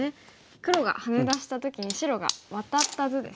黒がハネ出した時に白がワタった図ですね。